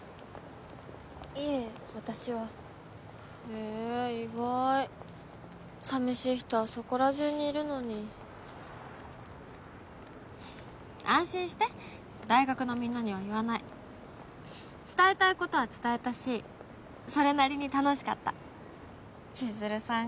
へぇ意外さみしい人はそこら中にいるのに安心して大学のみんなには言わない伝えたいことは伝えたしそれなりに楽しかった千鶴さん